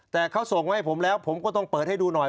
แต่เขาส่งไว้ให้ผมแล้วผมก็ต้องเปิดให้ดูหน่อย